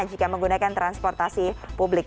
jika menggunakan transportasi publik